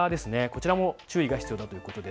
こちらも注意が必要です。